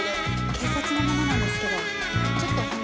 警察の者なんですけどちょっとお話。